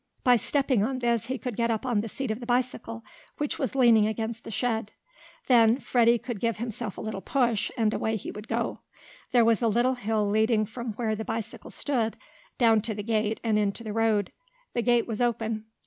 By stepping on this he could get up on the seat of the bicycle, which was leaning against the shed. Then Freddie could give himself a little push, and away he would go. There was a little hill leading from where the bicycle stood down to the gate, and into the road. The gate was open.